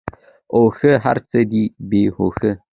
اوښه ! هرڅه دی بی هوښه .